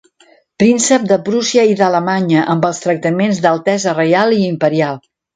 Príncep de Prússia i d'Alemanya amb els tractaments d'altesa reial i imperial.